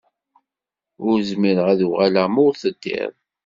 Ur zmireɣ ad uɣaleɣ ma ur teddiḍ.